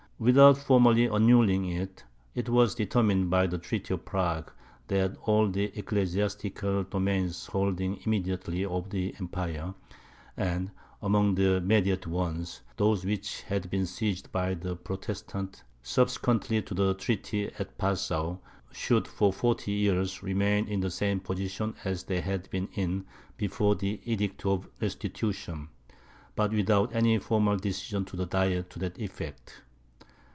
Without formally annulling it, it was determined by the treaty of Prague, that all the ecclesiastical domains holding immediately of the Empire, and, among the mediate ones, those which had been seized by the Protestants subsequently to the treaty at Passau, should, for forty years, remain in the same position as they had been in before the Edict of Restitution, but without any formal decision of the diet to that effect.